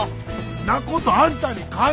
んなことあんたに関係な。